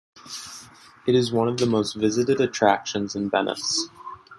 It is one of the most visited attractions in Venice.